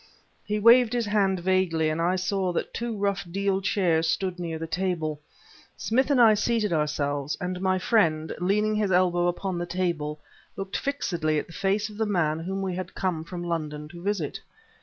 He waved his hand vaguely, and I saw that two rough deal chairs stood near the table. Smith and I seated ourselves, and my friend, leaning his elbow upon the table, looked fixedly at the face of the man whom we had come from London to visit.